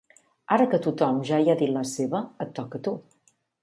Ara que tothom ja hi ha dit la seva, et toca a tu.